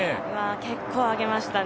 結構上げましたね。